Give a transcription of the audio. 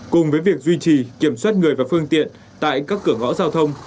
cùng với việc duy trì kiểm soát người và phương tiện tại các cửa ngõ giao thông